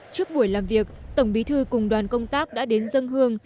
trước buổi làm việc tổng bí thư cùng đoàn công tác đã đến dân hương